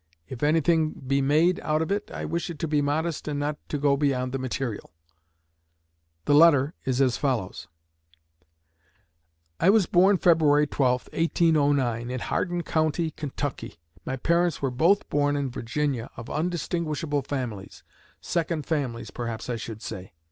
If anything be made out of it I wish it to be modest and not to go beyond the material." The letter is as follows: I was born Feb. 12, 1809, in Hardin County, Kentucky. My parents were both born in Virginia, of undistinguishable families second families, perhaps I should say.